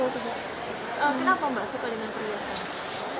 coba kenapa mbak suka dengan perhiasan